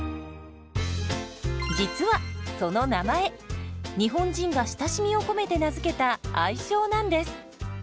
実はその名前日本人が親しみを込めて名付けた愛称なんです。